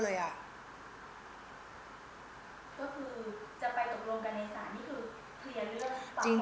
ก็คือจะไปตกลงกันในศาลนี่คือเคลียร์ในเรื่องฟัง